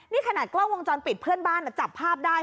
นี่ขนาดกล้องวงจรปิดเพื่อนบ้านจับภาพได้